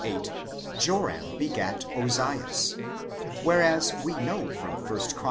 8 Joram begat Ozias; whereas we know from 1 Chron.